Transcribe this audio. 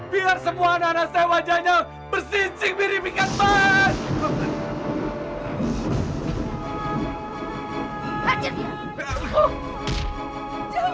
biar semua anak anak saya wajahnya bersincing mirip ikan mas